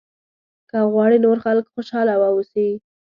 که غواړې نور خلک خوشاله واوسي.